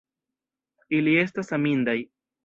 Ili estas amindaj!